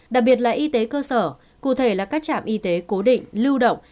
đặc biệt là y tế cơ sở cụ thể là các trạm y tế cố định lưu động